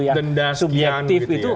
yang subjektif itu